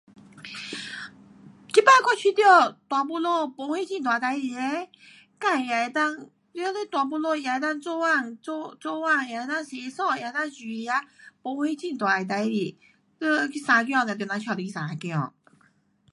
um 这次我觉得大肚子没什很多的事情嘞？自也能够，全部大肚子也能够做工，做，做工，也能够洗衣，也能够煮吃。没什很大的事情。um 去生子就得人带你去生子。